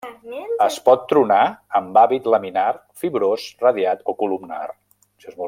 Es pot tronar amb hàbit laminar, fibrós radiat o columnar.